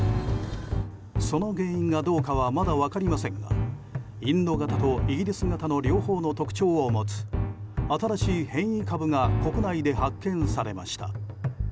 その原因かどうかはまだ分かりませんがインド型とイギリス型の両方の特徴を持つ新しい変異株が国内で発見されました。